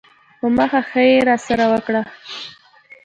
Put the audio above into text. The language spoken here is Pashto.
په مخه ښې یې راسره وکړه.